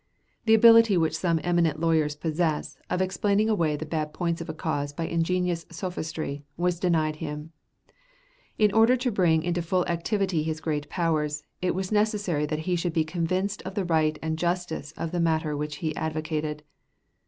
The ability which some eminent lawyers possess, of explaining away the bad points of a cause by ingenious sophistry, was denied him. In order to bring into full activity his great powers, it was necessary that he should be convinced of the right and justice of the matter which he advocated.